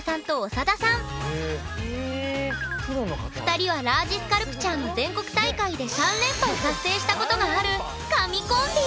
２人はラージスカルプチャーの全国大会で３連覇を達成したことがある神コンビ！